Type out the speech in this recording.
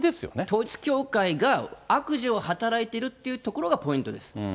統一教会が悪事を働いているというところがポイントです。